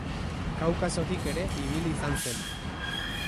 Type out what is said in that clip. Kaukasotik ere ibili izan zen.